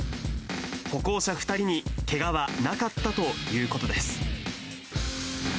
歩行者２人にけがはなかったということです。